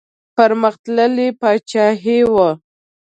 پرمختللې پاچاهي وه.